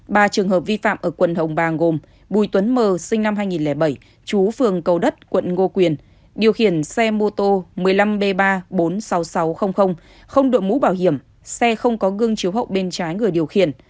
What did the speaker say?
ba trường hợp vi phạm ở quận hồng bàng gồm bùi tuấn mờ sinh năm hai nghìn bảy chú phường cầu đất quận ngô quyền điều khiển xe mô tô một mươi năm b ba bốn mươi sáu nghìn sáu trăm linh không đội mũ bảo hiểm xe không có gương chiếu hậu bên trái người điều khiển